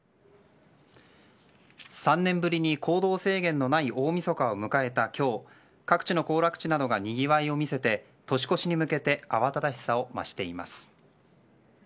３年ぶりに行動制限のない大みそかを迎えた今日各地の行楽地などがにぎわいを見せて年越しに向けて慌ただしさを増しています。